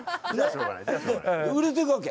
売れてくわけ。